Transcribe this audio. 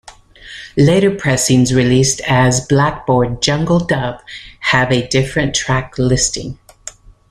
Later pressings released as "Blackboard Jungle Dub" have a different track listing.